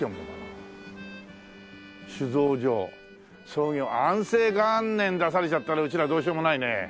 創業安政元年出されちゃったらうちらどうしようもないね。